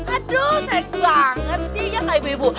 aduh sek banget sih ya kak ibu ibu